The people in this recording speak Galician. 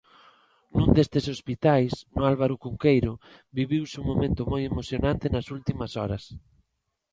Nun destes hospitais, no Álvaro Cunqueiro, viviuse un momento moi emocionante nas últimas horas.